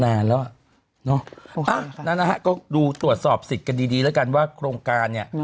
นั่นนะคะดูตรวจสอบสิทธิ์กันดีละกันว่าโครงการเนี่ย